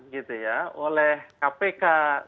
gitu ya oleh kpk